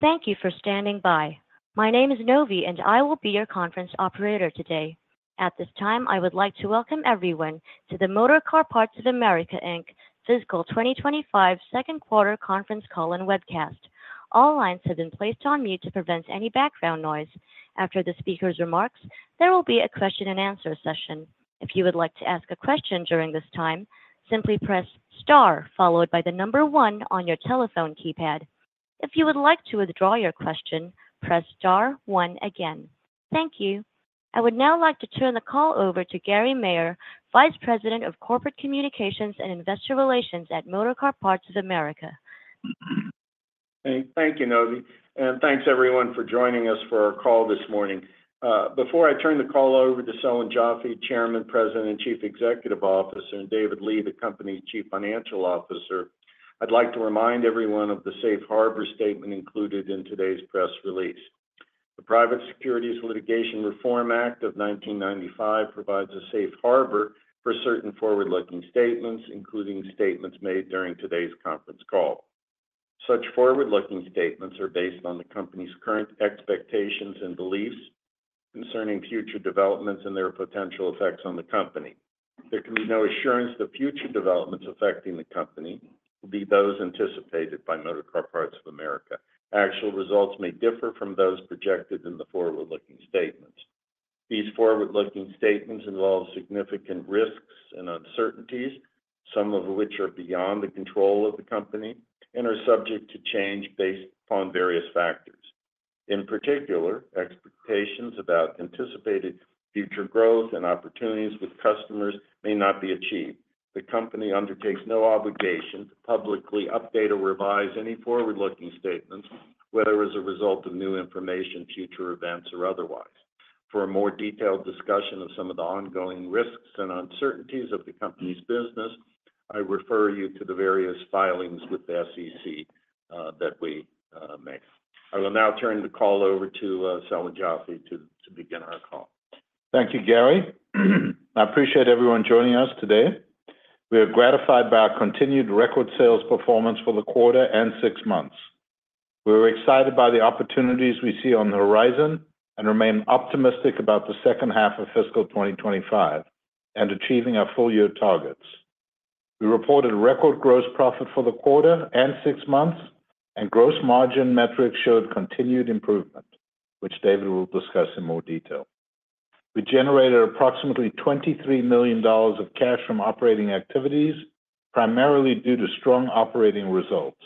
Thank you for standing by. My name is Novi, and I will be your conference operator today. At this time, I would like to welcome everyone to the Motorcar Parts of America Inc. fiscal 2025 second quarter conference call and webcast. All lines have been placed on mute to prevent any background noise. After the speaker's remarks, there will be a question and answer session. If you would like to ask a question during this time, simply press star followed by the number one on your telephone keypad. If you would like to withdraw your question, press star one again. Thank you. I would now like to turn the call over to Gary Maier, Vice President of Corporate Communications and Investor Relations at Motorcar Parts of America. Thank you, Novi, and thanks, everyone, for joining us for our call this morning. Before I turn the call over to Selwyn Joffe, Chairman, President, and Chief Executive Officer, and David Lee, the Company's Chief Financial Officer, I'd like to remind everyone of the safe harbor statement included in today's press release. The Private Securities Litigation Reform Act of 1995 provides a safe harbor for certain forward-looking statements, including statements made during today's conference call. Such forward-looking statements are based on the Company's current expectations and beliefs concerning future developments and their potential effects on the Company. There can be no assurance that future developments affecting the Company will be those anticipated by Motorcar Parts of America. Actual results may differ from those projected in the forward-looking statements. These forward-looking statements involve significant risks and uncertainties, some of which are beyond the control of the Company and are subject to change based upon various factors. In particular, expectations about anticipated future growth and opportunities with customers may not be achieved. The Company undertakes no obligation to publicly update or revise any forward-looking statements, whether as a result of new information, future events, or otherwise. For a more detailed discussion of some of the ongoing risks and uncertainties of the Company's business, I refer you to the various filings with the SEC that we make. I will now turn the call over to Selwyn Joffe to begin our call. Thank you, Gary. I appreciate everyone joining us today. We are gratified by our continued record sales performance for the quarter and six months. We are excited by the opportunities we see on the horizon and remain optimistic about the second half of fiscal 2025 and achieving our full-year targets. We reported record gross profit for the quarter and six months, and gross margin metrics showed continued improvement, which David will discuss in more detail. We generated approximately $23 million of cash from operating activities, primarily due to strong operating results.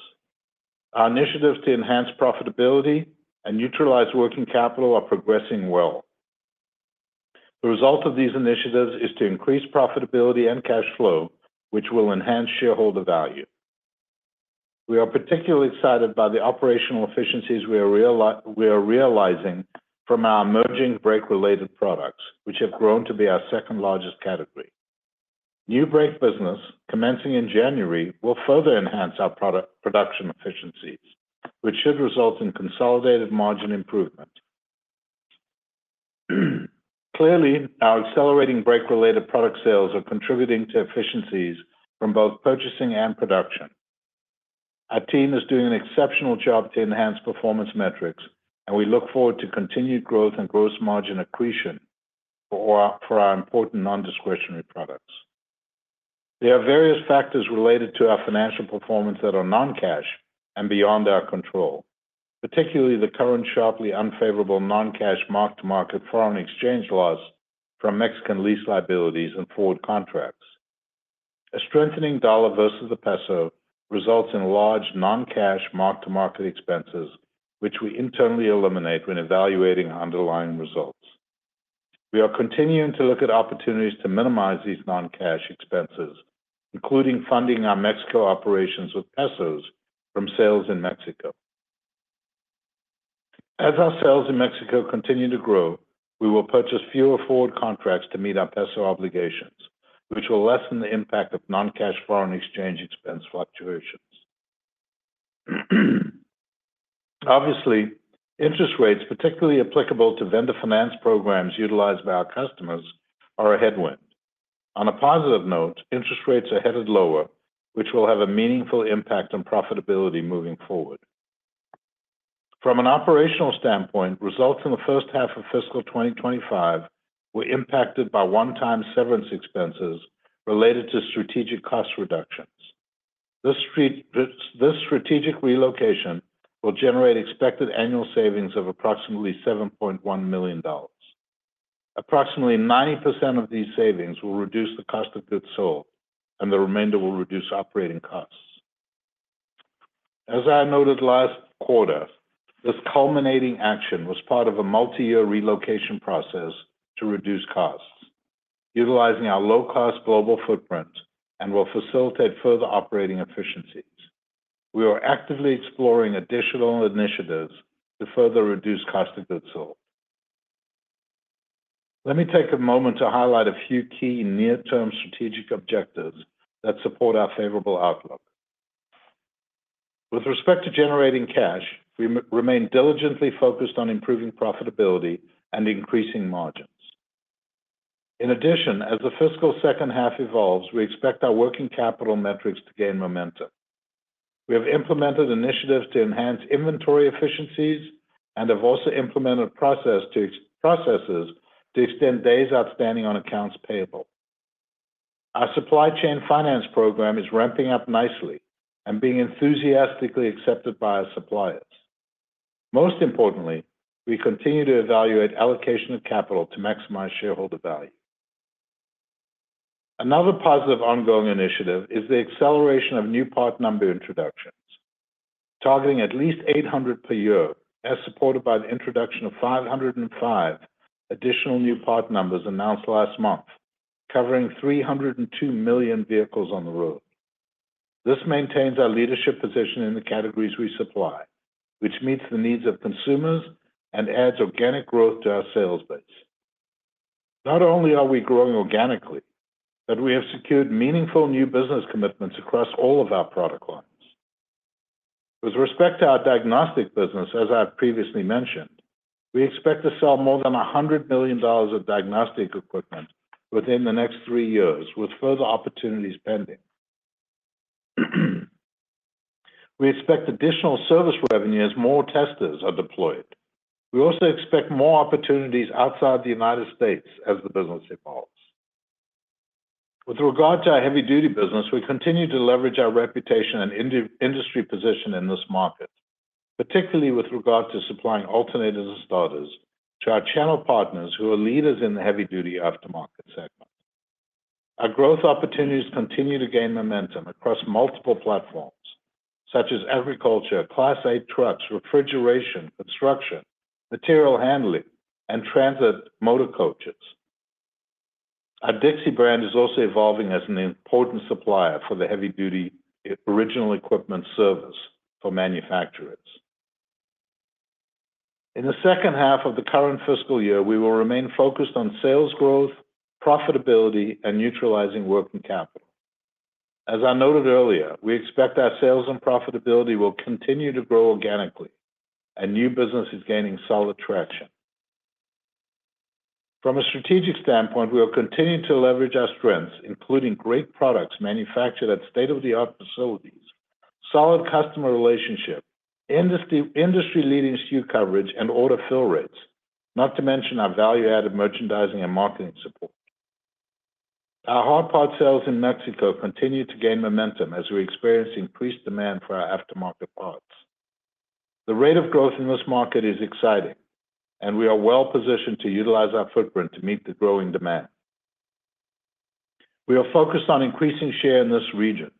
Our initiatives to enhance profitability and neutralize working capital are progressing well. The result of these initiatives is to increase profitability and cash flow, which will enhance shareholder value. We are particularly excited by the operational efficiencies we are realizing from our emerging brake-related products, which have grown to be our second-largest category. New brake business, commencing in January, will further enhance our production efficiencies, which should result in consolidated margin improvement. Clearly, our accelerating brake-related product sales are contributing to efficiencies from both purchasing and production. Our team is doing an exceptional job to enhance performance metrics, and we look forward to continued growth and gross margin accretion for our important non-discretionary products. There are various factors related to our financial performance that are non-cash and beyond our control, particularly the current sharply unfavorable non-cash mark-to-market foreign exchange loss from Mexican lease liabilities and forward contracts. A strengthening dollar versus the peso results in large non-cash mark-to-market expenses, which we internally eliminate when evaluating underlying results. We are continuing to look at opportunities to minimize these non-cash expenses, including funding our Mexico operations with pesos from sales in Mexico. As our sales in Mexico continue to grow, we will purchase fewer forward contracts to meet our peso obligations, which will lessen the impact of non-cash foreign exchange expense fluctuations. Obviously, interest rates, particularly applicable to vendor finance programs utilized by our customers, are a headwind. On a positive note, interest rates are headed lower, which will have a meaningful impact on profitability moving forward. From an operational standpoint, results in the first half of fiscal 2025 were impacted by one-time severance expenses related to strategic cost reductions. This strategic relocation will generate expected annual savings of approximately $7.1 million. Approximately 90% of these savings will reduce the cost of goods sold, and the remainder will reduce operating costs. As I noted last quarter, this culminating action was part of a multi-year relocation process to reduce costs, utilizing our low-cost global footprint, and will facilitate further operating efficiencies. We are actively exploring additional initiatives to further reduce cost of goods sold. Let me take a moment to highlight a few key near-term strategic objectives that support our favorable outlook. With respect to generating cash, we remain diligently focused on improving profitability and increasing margins. In addition, as the fiscal second half evolves, we expect our working capital metrics to gain momentum. We have implemented initiatives to enhance inventory efficiencies and have also implemented processes to extend days outstanding on accounts payable. Our supply chain finance program is ramping up nicely and being enthusiastically accepted by our suppliers. Most importantly, we continue to evaluate allocation of capital to maximize shareholder value. Another positive ongoing initiative is the acceleration of new part number introductions, targeting at least 800 per year, as supported by the introduction of 505 additional new part numbers announced last month, covering 302 million vehicles on the road. This maintains our leadership position in the categories we supply, which meets the needs of consumers and adds organic growth to our sales base. Not only are we growing organically, but we have secured meaningful new business commitments across all of our product lines. With respect to our diagnostic business, as I've previously mentioned, we expect to sell more than $100 million of diagnostic equipment within the next three years, with further opportunities pending. We expect additional service revenue as more testers are deployed. We also expect more opportunities outside the United States as the business evolves. With regard to our heavy-duty business, we continue to leverage our reputation and industry position in this market, particularly with regard to supplying alternators and starters to our channel partners who are leaders in the heavy-duty aftermarket segment. Our growth opportunities continue to gain momentum across multiple platforms, such as agriculture, Class 8 trucks, refrigeration, construction, material handling, and transit motor coaches. Our Dixie brand is also evolving as an important supplier for the heavy-duty original equipment service for manufacturers. In the second half of the current fiscal year, we will remain focused on sales growth, profitability, and neutralizing working capital. As I noted earlier, we expect our sales and profitability will continue to grow organically, and new business is gaining solid traction. From a strategic standpoint, we will continue to leverage our strengths, including great products manufactured at state-of-the-art facilities, solid customer relationships, industry-leading SKU coverage, and order fill rates, not to mention our value-added merchandising and marketing support. Our hard part sales in Mexico continue to gain momentum as we experience increased demand for our aftermarket parts. The rate of growth in this market is exciting, and we are well-positioned to utilize our footprint to meet the growing demand. We are focused on increasing share in this region.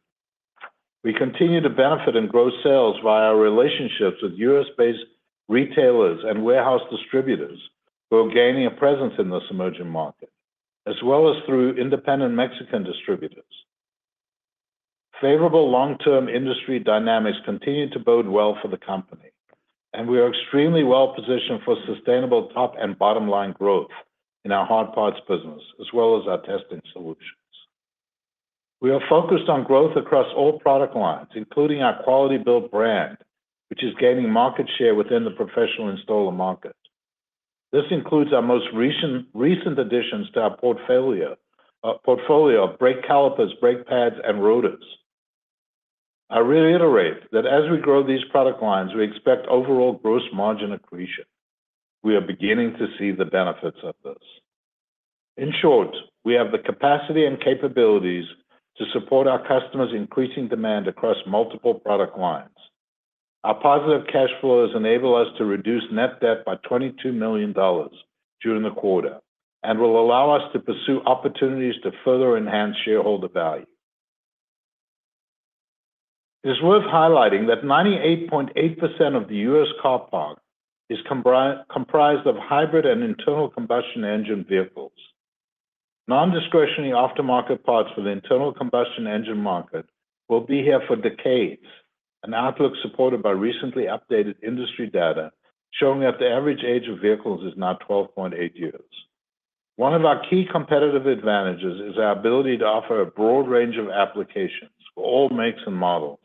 We continue to benefit and grow sales via our relationships with U.S.-based retailers and warehouse distributors who are gaining a presence in this emerging market, as well as through independent Mexican distributors. Favorable long-term industry dynamics continue to bode well for the company, and we are extremely well-positioned for sustainable top and bottom-line growth in our hard parts business, as well as our testing solutions. We are focused on growth across all product lines, including our Quality-Built brand, which is gaining market share within the professional installer market. This includes our most recent additions to our portfolio of brake calipers, brake pads, and rotors. I reiterate that as we grow these product lines, we expect overall gross margin accretion. We are beginning to see the benefits of this. In short, we have the capacity and capabilities to support our customers' increasing demand across multiple product lines. Our positive cash flows enable us to reduce net debt by $22 million during the quarter and will allow us to pursue opportunities to further enhance shareholder value. It is worth highlighting that 98.8% of the U.S. car park is comprised of hybrid and internal combustion engine vehicles. Non-discretionary aftermarket parts for the internal combustion engine market will be here for decades, an outlook supported by recently updated industry data showing that the average age of vehicles is now 12.8 years. One of our key competitive advantages is our ability to offer a broad range of applications for all makes and models.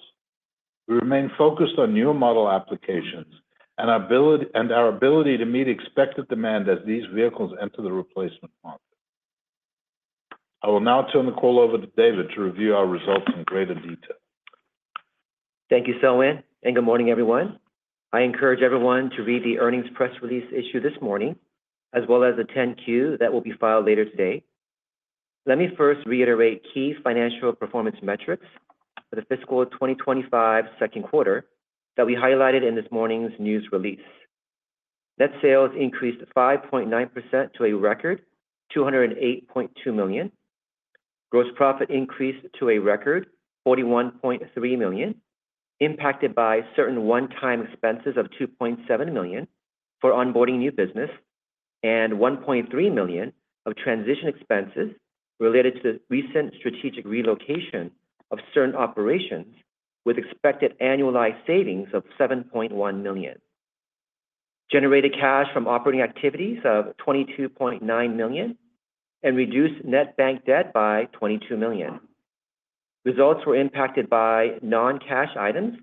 We remain focused on newer model applications and our ability to meet expected demand as these vehicles enter the replacement market. I will now turn the call over to David to review our results in greater detail. Thank you, Selwyn, and good morning, everyone. I encourage everyone to read the earnings press release issued this morning, as well as the 10-Q that will be filed later today. Let me first reiterate key financial performance metrics for the fiscal 2025 second quarter that we highlighted in this morning's news release. Net sales increased 5.9% to a record $208.2 million. Gross profit increased to a record $41.3 million, impacted by certain one-time expenses of $2.7 million for onboarding new business and $1.3 million of transition expenses related to the recent strategic relocation of certain operations, with expected annualized savings of $7.1 million. Generated cash from operating activities of $22.9 million and reduced net bank debt by $22 million. Results were impacted by non-cash items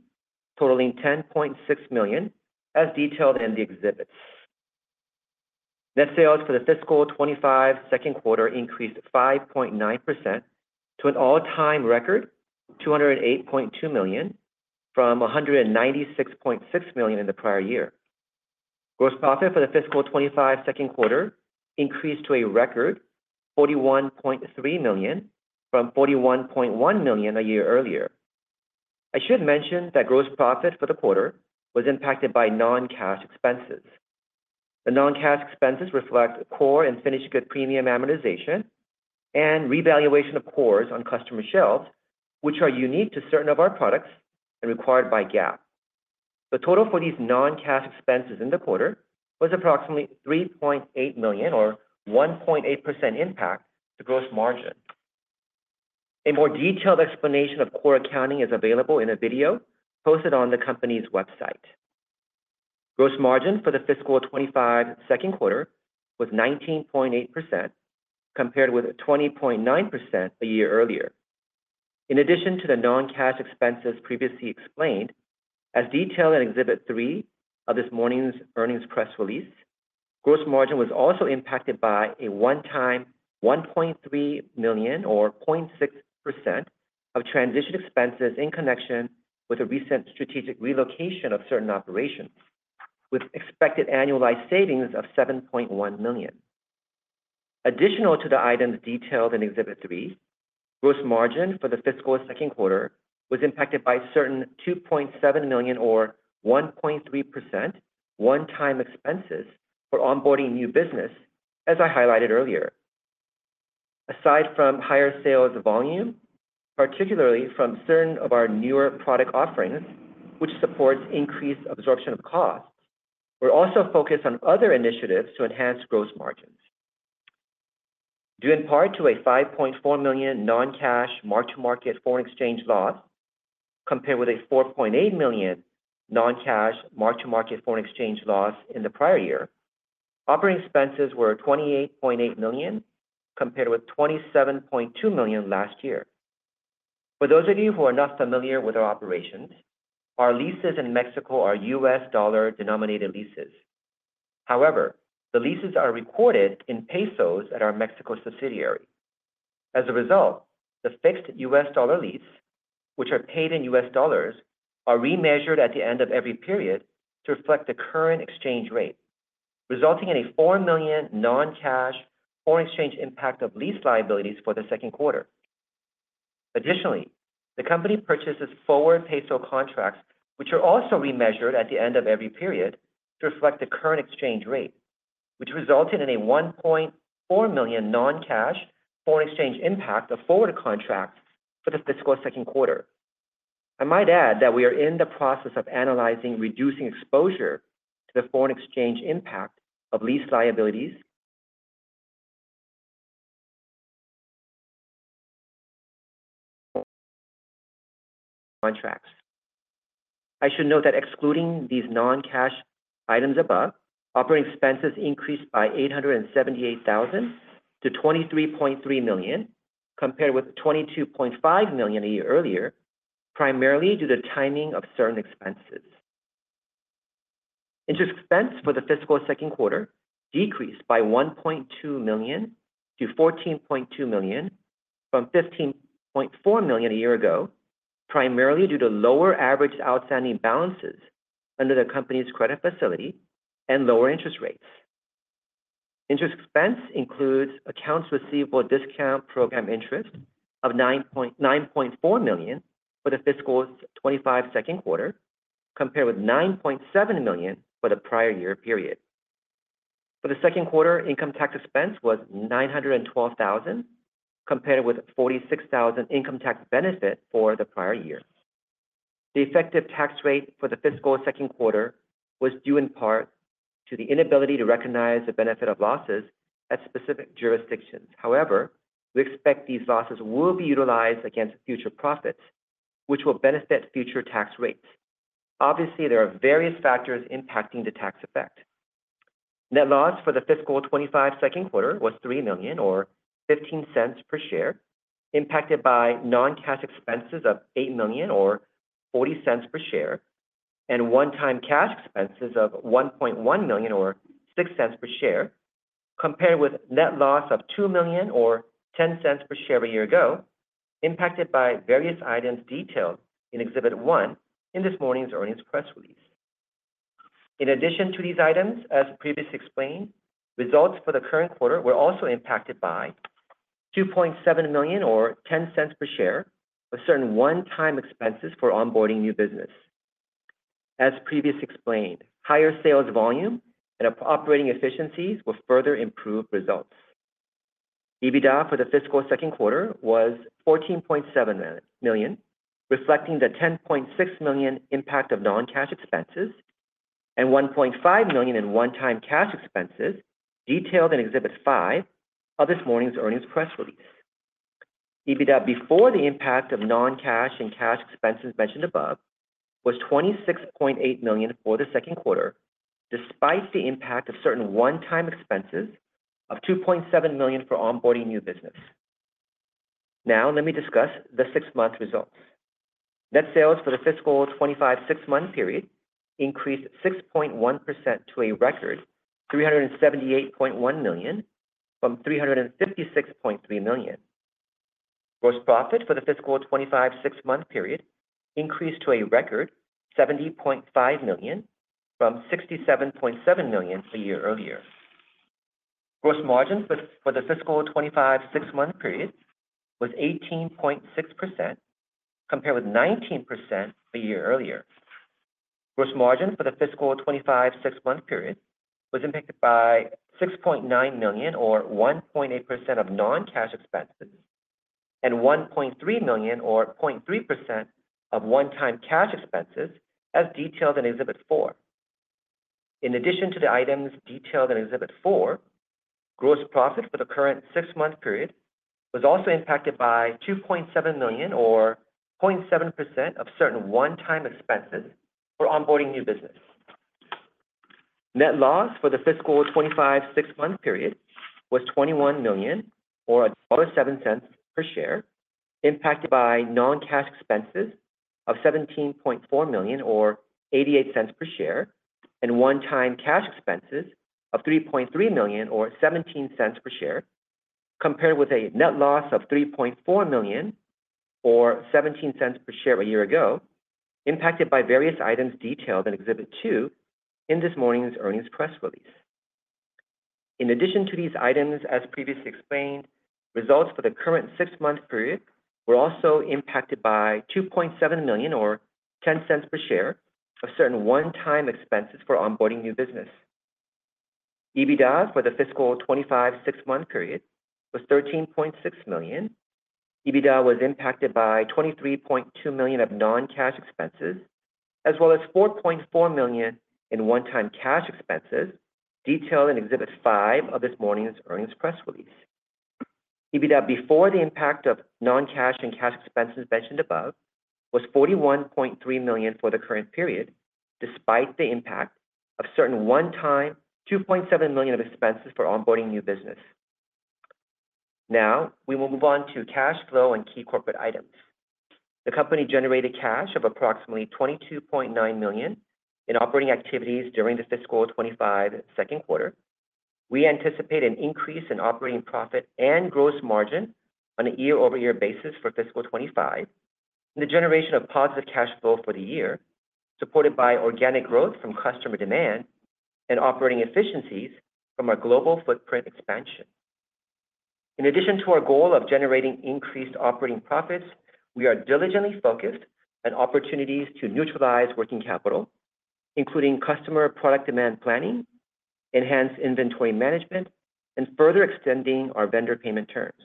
totaling $10.6 million, as detailed in the exhibits. Net sales for the fiscal 2025 second quarter increased 5.9% to an all-time record $208.2 million from $196.6 million in the prior year. Gross profit for the fiscal 2025 second quarter increased to a record $41.3 million from $41.1 million a year earlier. I should mention that gross profit for the quarter was impacted by non-cash expenses. The non-cash expenses reflect core and finished good premium amortization and revaluation of cores on customer shelves, which are unique to certain of our products and required by GAAP. The total for these non-cash expenses in the quarter was approximately $3.8 million, or 1.8% impact to gross margin. A more detailed explanation of core accounting is available in a video posted on the company's website. Gross margin for the fiscal 2025 second quarter was 19.8%, compared with 20.9% a year earlier. In addition to the non-cash expenses previously explained, as detailed in Exhibit 3 of this morning's earnings press release, gross margin was also impacted by a one-time $1.3 million, or 0.6%, of transition expenses in connection with a recent strategic relocation of certain operations, with expected annualized savings of $7.1 million. Additional to the items detailed in Exhibit 3, gross margin for the fiscal second quarter was impacted by certain $2.7 million, or 1.3%, one-time expenses for onboarding new business, as I highlighted earlier. Aside from higher sales volume, particularly from certain of our newer product offerings, which supports increased absorption of costs, we're also focused on other initiatives to enhance gross margins. Due in part to a $5.4 million non-cash mark-to-market foreign exchange loss compared with a $4.8 million non-cash mark-to-market foreign exchange loss in the prior year, operating expenses were $28.8 million, compared with $27.2 million last year. For those of you who are not familiar with our operations, our leases in Mexico are U.S. dollar-denominated leases. However, the leases are recorded in pesos at our Mexico subsidiary. As a result, the fixed U.S. dollar leases, which are paid in U.S. dollars, are remeasured at the end of every period to reflect the current exchange rate, resulting in a $4 million non-cash foreign exchange impact of lease liabilities for the second quarter. Additionally, the company purchases forward peso contracts, which are also remeasured at the end of every period to reflect the current exchange rate, which resulted in a $1.4 million non-cash foreign exchange impact of forward contracts for the fiscal second quarter. I might add that we are in the process of analyzing reducing exposure to the foreign exchange impact of lease liabilities contracts. I should note that excluding these non-cash items above, operating expenses increased by $878,000-$23.3 million, compared with $22.5 million a year earlier, primarily due to timing of certain expenses. Interest expense for the fiscal second quarter decreased by $1.2 million-$14.2 million from $15.4 million a year ago, primarily due to lower average outstanding balances under the company's credit facility and lower interest rates. Interest expense includes accounts receivable discount program interest of $9.4 million for the fiscal 2025 second quarter, compared with $9.7 million for the prior year period. For the second quarter, income tax expense was $912,000, compared with $46,000 income tax benefit for the prior year. The effective tax rate for the fiscal second quarter was due in part to the inability to recognize the benefit of losses at specific jurisdictions. However, we expect these losses will be utilized against future profits, which will benefit future tax rates. Obviously, there are various factors impacting the tax effect. Net loss for the fiscal 2025 second quarter was $3 million, or $0.15 per share, impacted by non-cash expenses of $8 million, or $0.40 per share, and one-time cash expenses of $1.1 million, or $0.06 per share, compared with net loss of $2 million, or $0.10 per share a year ago, impacted by various items detailed in Exhibit 1 in this morning's earnings press release. In addition to these items, as previously explained, results for the current quarter were also impacted by $2.7 million, or $0.10 per share, of certain one-time expenses for onboarding new business. As previously explained, higher sales volume and operating efficiencies will further improve results. EBITDA for the fiscal second quarter was $14.7 million, reflecting the $10.6 million impact of non-cash expenses and $1.5 million in one-time cash expenses detailed in Exhibit 5 of this morning's earnings press release. EBITDA before the impact of non-cash and cash expenses mentioned above was $26.8 million for the second quarter, despite the impact of certain one-time expenses of $2.7 million for onboarding new business. Now, let me discuss the six-month results. Net sales for the fiscal 25 six-month period increased 6.1% to a record $378.1 million from $356.3 million. Gross profit for the fiscal 25 six-month period increased to a record $70.5 million from $67.7 million a year earlier. Gross margin for the fiscal 25 six-month period was 18.6%, compared with 19% a year earlier. Gross margin for the fiscal 2025 six-month period was impacted by $6.9 million, or 1.8% of non-cash expenses, and $1.3 million, or 0.3% of one-time cash expenses, as detailed in Exhibit 4. In addition to the items detailed in Exhibit 4, gross profit for the current six-month period was also impacted by $2.7 million, or 0.7% of certain one-time expenses for onboarding new business. Net loss for the fiscal 2025 six-month period was $21 million, or $0.0107 per share, impacted by non-cash expenses of $17.4 million, or $0.88 per share, and one-time cash expenses of $3.3 million, or $0.17 per share, compared with a net loss of $3.4 million, or $0.17 per share a year ago, impacted by various items detailed in Exhibit 2 in this morning's earnings press release. In addition to these items, as previously explained, results for the current six-month period were also impacted by $2.7 million, or $0.10 per share, of certain one-time expenses for onboarding new business. EBITDA for the fiscal 2025 six-month period was $13.6 million. EBITDA was impacted by $23.2 million of non-cash expenses, as well as $4.4 million in one-time cash expenses detailed in Exhibit 5 of this morning's earnings press release. EBITDA before the impact of non-cash and cash expenses mentioned above was $41.3 million for the current period, despite the impact of certain one-time $2.7 million of expenses for onboarding new business. Now, we will move on to cash flow and key corporate items. The company generated cash of approximately $22.9 million in operating activities during the fiscal 2025 second quarter. We anticipate an increase in operating profit and gross margin on a year-over-year basis for fiscal 2025 and the generation of positive cash flow for the year, supported by organic growth from customer demand and operating efficiencies from our global footprint expansion. In addition to our goal of generating increased operating profits, we are diligently focused on opportunities to neutralize working capital, including customer product demand planning, enhanced inventory management, and further extending our vendor payment terms.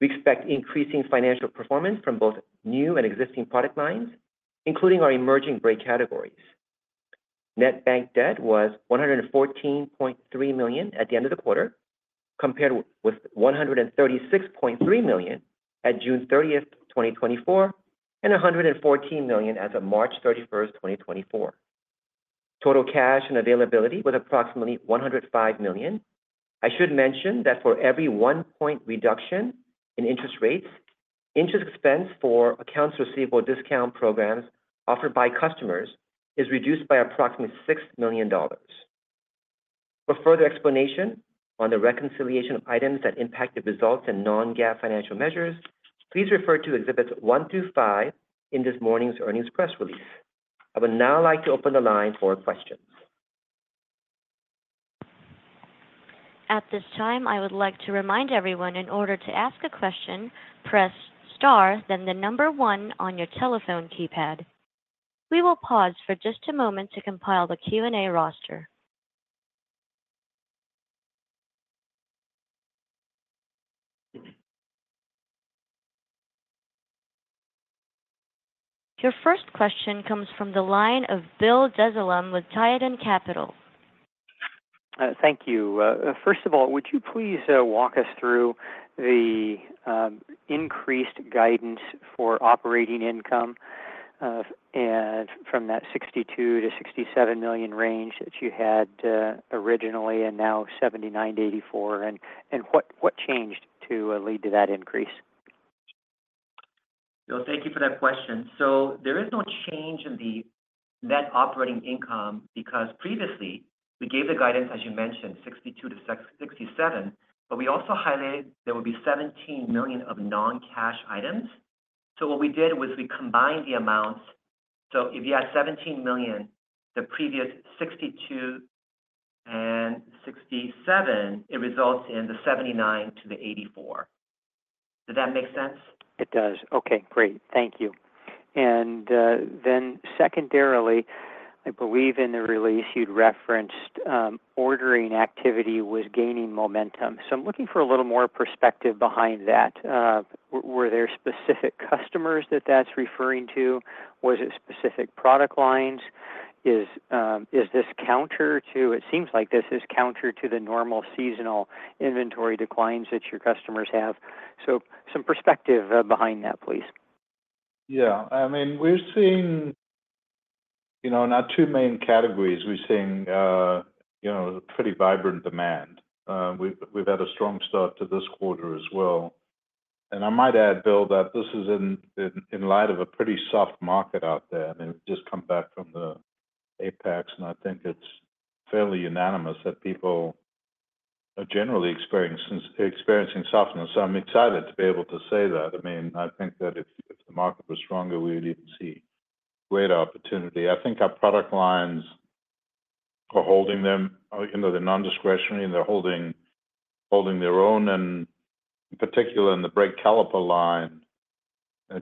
We expect increasing financial performance from both new and existing product lines, including our emerging brake categories. Net bank debt was $114.3 million at the end of the quarter, compared with $136.3 million at June 30th, 2024, and $114 million as of March 31st, 2024. Total cash and availability was approximately $105 million. I should mention that for every one-point reduction in interest rates, interest expense for accounts receivable discount programs offered by customers is reduced by approximately $6 million. For further explanation on the reconciliation of items that impact the results in non-GAAP financial measures, please refer to Exhibits 1 through 5 in this morning's earnings press release. I would now like to open the line for questions. At this time, I would like to remind everyone in order to ask a question, press star, then the number one on your telephone keypad. We will pause for just a moment to compile the Q&A roster. Your first question comes from the line of Bill Dezellem with Tieton Capital. Thank you. First of all, would you please walk us through the increased guidance for operating income from that $62 million-$67 million range that you had originally and now $79 million-$84 million? And what changed to lead to that increase? Thank you for that question. There is no change in the net operating income because previously, we gave the guidance, as you mentioned, $62-$67 million, but we also highlighted there would be $17 million of non-cash items. What we did was we combined the amounts. If you had $17 million, the previous $62 million and $67 million, it results in the $79-$84 million. Does that make sense? It does. Okay. Great. Thank you. And then secondarily, I believe in the release you'd referenced ordering activity was gaining momentum. So I'm looking for a little more perspective behind that. Were there specific customers that that's referring to? Was it specific product lines? Is this counter to, it seems like this is counter to the normal seasonal inventory declines that your customers have? So some perspective behind that, please. Yeah. I mean, we're seeing not two main categories. We're seeing pretty vibrant demand. We've had a strong start to this quarter as well. And I might add, Bill, that this is in light of a pretty soft market out there. I mean, we've just come back from the AAPEX, and I think it's fairly unanimous that people are generally experiencing softness. So I'm excited to be able to say that. I mean, I think that if the market was stronger, we would even see great opportunity. I think our product lines are holding them. They're non-discretionary. They're holding their own. And in particular, in the brake caliper line,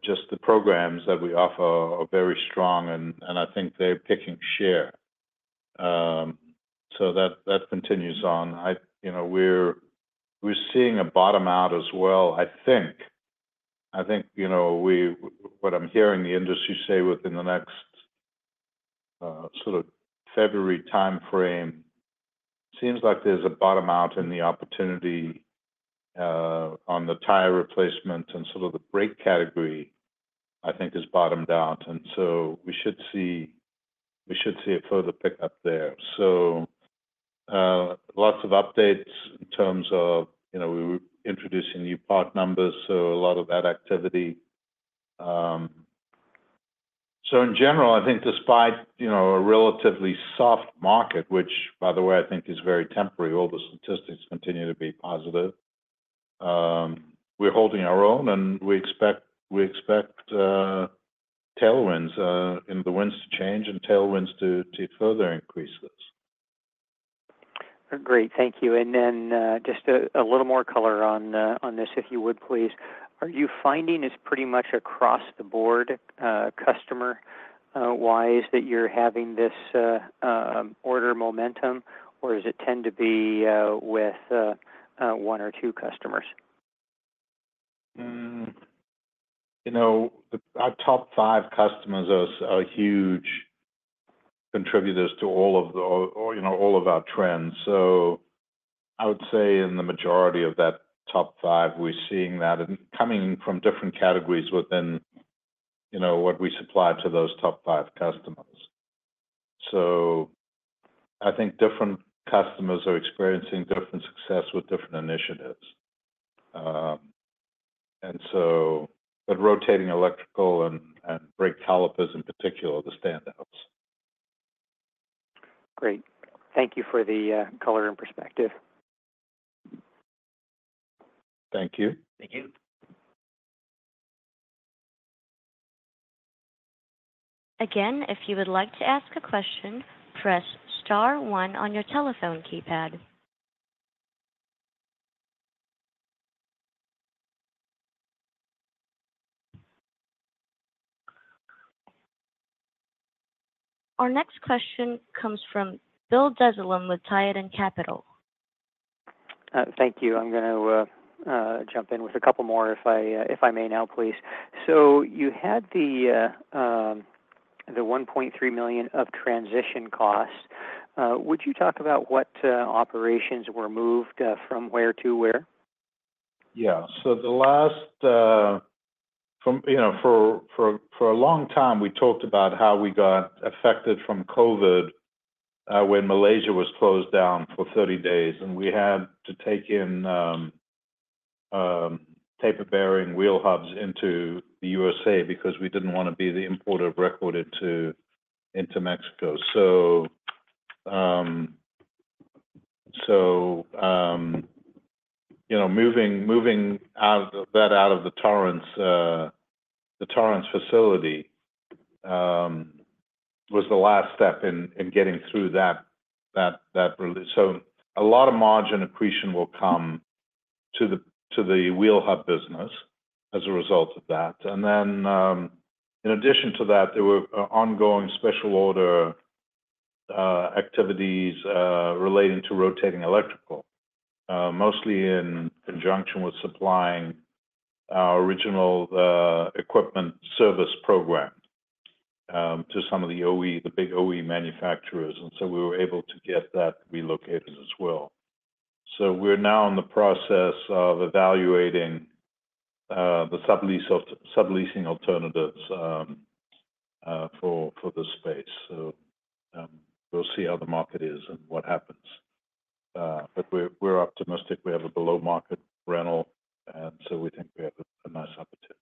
just the programs that we offer are very strong, and I think they're picking share. So that continues on. We're seeing a bottom out as well, I think. I think what I'm hearing the industry say within the next sort of February timeframe, it seems like there's a bottom out in the opportunity on the tire replacement and sort of the brake category, I think, is bottomed out, and so we should see a further pickup there, so lots of updates in terms of we're introducing new part numbers, so a lot of that activity, so in general, I think despite a relatively soft market, which, by the way, I think is very temporary, all the statistics continue to be positive, we're holding our own, and we expect tailwinds in the winds to change and tailwinds to further increase this. Great. Thank you. And then just a little more color on this, if you would, please. Are you finding this pretty much across the board, customer-wise, that you're having this order momentum, or does it tend to be with one or two customers? Our top five customers are huge contributors to all of our trends. So I would say in the majority of that top five, we're seeing that coming from different categories within what we supply to those top five customers. So I think different customers are experiencing different success with different initiatives. And so rotating electrical and brake calipers in particular are the standouts. Great. Thank you for the color and perspective. Thank you. Thank you. Again, if you would like to ask a question, press star one on your telephone keypad. Our next question comes from Bill Dezellem with Tieton Capital. Thank you. I'm going to jump in with a couple more, if I may now, please. So you had the $1.3 million of transition costs. Would you talk about what operations were moved from where to where? Yeah. So the last for a long time, we talked about how we got affected by COVID when Malaysia was closed down for 30 days, and we had to take in taper-bearing wheel hubs into the U.S.A. because we didn't want to be the importer of record to Mexico. So moving that out of the Torrance facility was the last step in getting through that. So a lot of margin accretion will come to the wheel hub business as a result of that. And then in addition to that, there were ongoing special order activities relating to rotating electrical, mostly in conjunction with supplying our original equipment service program to some of the big OE manufacturers. And so we were able to get that relocated as well. So we're now in the process of evaluating the subleasing alternatives for the space. So we'll see how the market is and what happens. But we're optimistic. We have a below-market rental, and so we think we have a nice opportunity.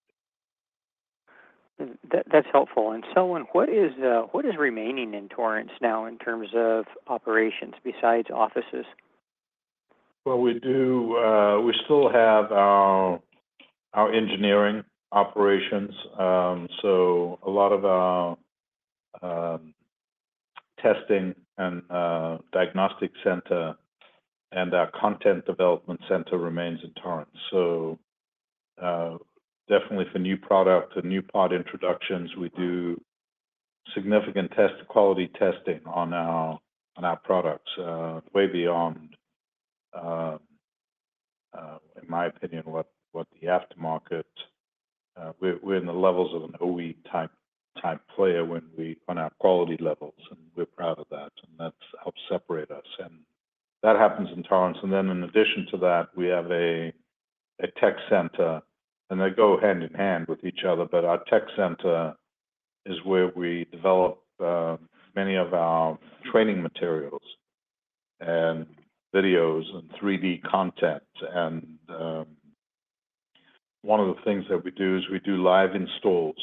That's helpful, and so what is remaining in Torrance now in terms of operations besides offices? Well, we still have our engineering operations. So a lot of our testing and diagnostic center and our content development center remains in Torrance. So definitely for new products and new part introductions, we do significant quality testing on our products way beyond, in my opinion, what the aftermarket. We're in the levels of an OE-type player on our quality levels, and we're proud of that. And that helps separate us. And that happens in Torrance. And then in addition to that, we have a tech center, and they go hand in hand with each other. But our tech center is where we develop many of our training materials and videos and 3D content. And one of the things that we do is we do live installs.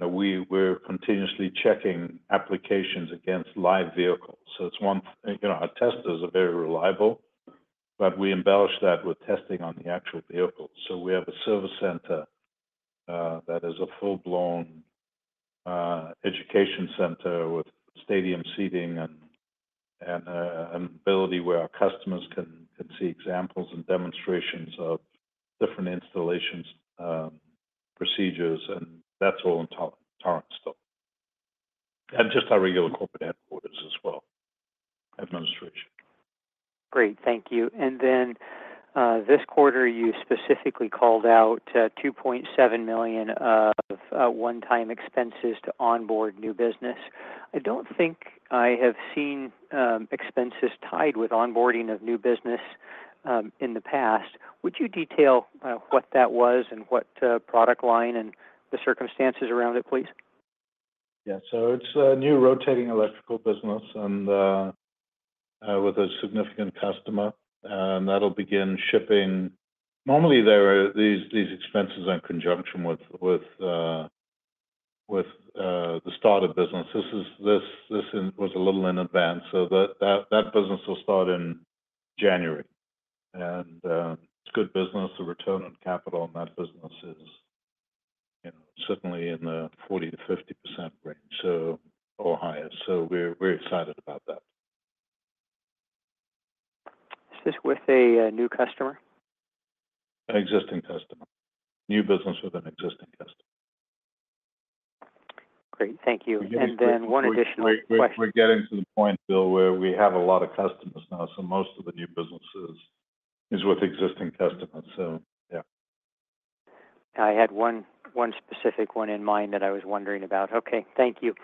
So we're continuously checking applications against live vehicles. It's one of our testers are very reliable, but we embellish that with testing on the actual vehicles. We have a service center that is a full-blown education center with stadium seating and an ability where our customers can see examples and demonstrations of different installation procedures. That's all in Torrance still. Just our regular corporate headquarters as well, administration. Great. Thank you. And then this quarter, you specifically called out $2.7 million of one-time expenses to onboard new business. I don't think I have seen expenses tied with onboarding of new business in the past. Would you detail what that was and what product line and the circumstances around it, please? Yeah. So it's a new rotating electrical business with a significant customer. And that'll begin shipping. Normally, these expenses are in conjunction with the start of business. This was a little in advance. So that business will start in January. And it's good business. The return on capital in that business is certainly in the 40%-50% range or higher. So we're excited about that. Is this with a new customer? An existing customer. New business with an existing customer. Great. Thank you. And then one additional question. We're getting to the point, Bill, where we have a lot of customers now. So most of the new business is with existing customers. So yeah. I had one specific one in mind that I was wondering about. Okay. Thank you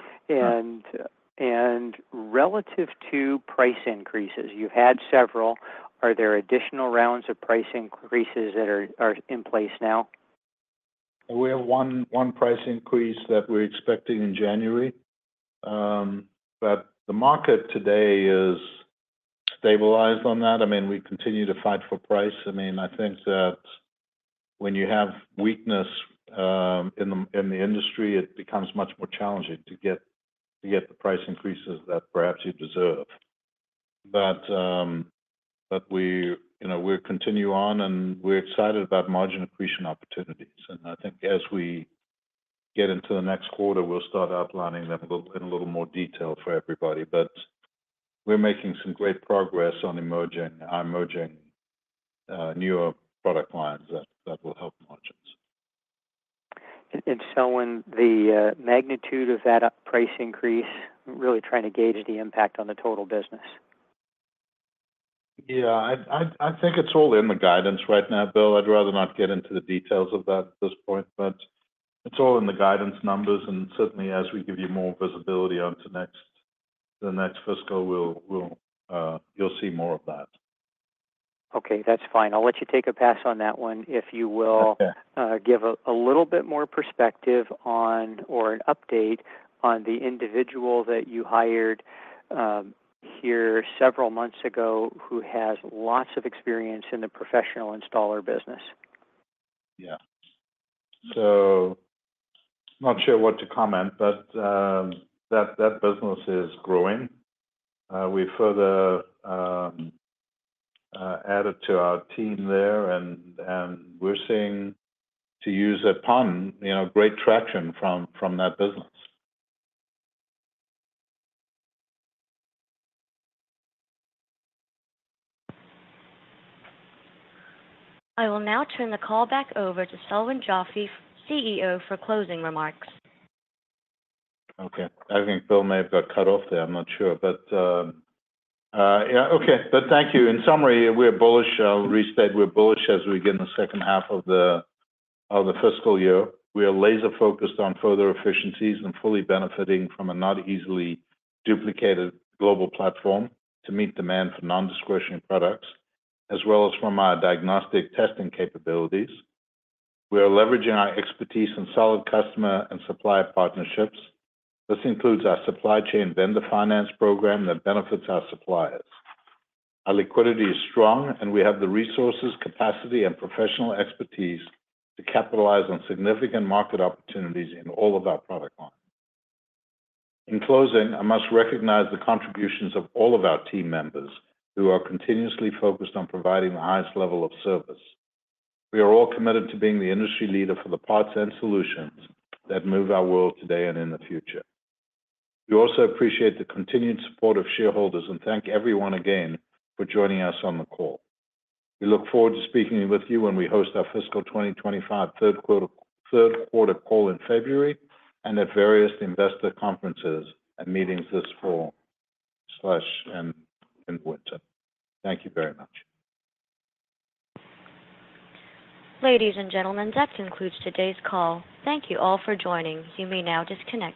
and relative to price increases, you've had several. Are there additional rounds of price increases that are in place now? We have one price increase that we're expecting in January. But the market today is stabilized on that. I mean, we continue to fight for price. I mean, I think that when you have weakness in the industry, it becomes much more challenging to get the price increases that perhaps you deserve. But we're continuing on, and we're excited about margin accretion opportunities. And I think as we get into the next quarter, we'll start outlining them in a little more detail for everybody. But we're making some great progress on emerging newer product lines that will help margins. The magnitude of that price increase, really trying to gauge the impact on the total business. Yeah. I think it's all in the guidance right now, Bill. I'd rather not get into the details of that at this point, but it's all in the guidance numbers. And certainly, as we give you more visibility onto the next fiscal, you'll see more of that. Okay. That's fine. I'll let you take a pass on that one if you will give a little bit more perspective on or an update on the individual that you hired here several months ago who has lots of experience in the professional installer business. Yeah. So not sure what to comment, but that business is growing. We further added to our team there, and we're seeing, to use a pun, great traction from that business. I will now turn the call back over to Selwyn Joffe, CEO, for closing remarks. Okay. I think Bill may have got cut off there. I'm not sure. But yeah. Okay. But thank you. In summary, we're bullish. I'll restate, we're bullish as we begin the second half of the fiscal year. We are laser-focused on further efficiencies and fully benefiting from a not-easily-duplicated global platform to meet demand for non-discretionary products, as well as from our diagnostic testing capabilities. We are leveraging our expertise in solid customer and supplier partnerships. This includes our supply chain vendor finance program that benefits our suppliers. Our liquidity is strong, and we have the resources, capacity, and professional expertise to capitalize on significant market opportunities in all of our product lines. In closing, I must recognize the contributions of all of our team members who are continuously focused on providing the highest level of service. We are all committed to being the industry leader for the parts and solutions that move our world today and in the future. We also appreciate the continued support of shareholders and thank everyone again for joining us on the call. We look forward to speaking with you when we host our fiscal 2025 third-quarter call in February and at various investor conferences and meetings this fall/winter. Thank you very much. Ladies and gentlemen, that concludes today's call. Thank you all for joining. You may now disconnect.